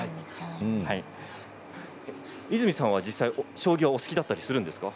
泉さんは実際、将棋はお好きだったりするんですか？